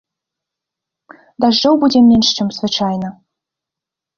Дажджоў будзе менш, чым звычайна.